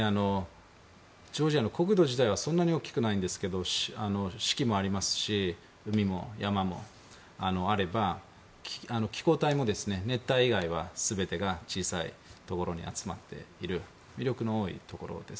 ジョージアの国土自体は大きくないんですけど四季もありますし海も山もあれば気候帯も、熱帯以外は全てが小さいところに集まっている魅力の多いところです。